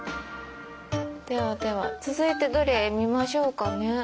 ではでは続いてどれ見ましょうかね。